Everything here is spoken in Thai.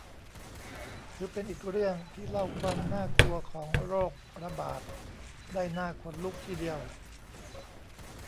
ถือเป็นอีกเรื่องที่เล่าความน่ากลัวของโรคระบาดได้น่าขนลุกทีเดียว